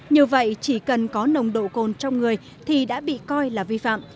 như vậy chỉ cần có nồng độ cồn trong người thì đã bị coi là vi phạm